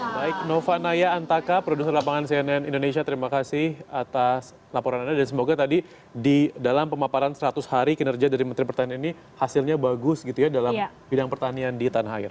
baik nova naya antaka produser lapangan cnn indonesia terima kasih atas laporan anda dan semoga tadi di dalam pemaparan seratus hari kinerja dari menteri pertanian ini hasilnya bagus gitu ya dalam bidang pertanian di tanah air